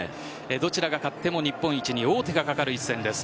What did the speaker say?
どちらが勝っても日本一に王手がかかる一戦です。